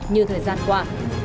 như thời gian qua